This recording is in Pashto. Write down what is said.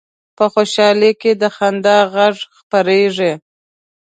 په خوشحالۍ کې د خندا غږ خپرېږي